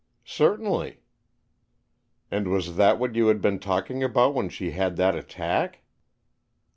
"Certainly." "And was that what you had been talking about when she had that attack?"